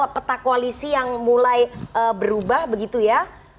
peta koalisi yang mulai berubah begitu ya